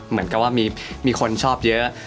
เหมือนกับว่ามีคนชอบเยอะ